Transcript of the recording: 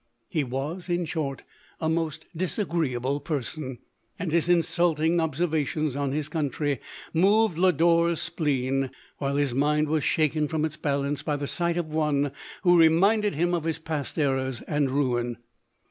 He was, in short, a most disagreeable person ; and his insulting ob servations on his country moved Lodore's spleen, while his mind was shaken from its balance by the sight of one who reminded him of his past errors and ruin.